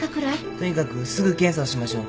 とにかくすぐ検査をしましょう。